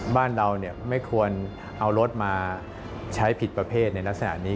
บ้านเราไม่ควรเอารถมาใช้ผิดประเภทในลักษณะนี้